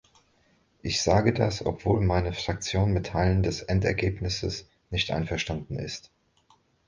Ich sage das, obwohl meine Fraktion mit Teilen des Endergebnisses nicht einverstanden ist.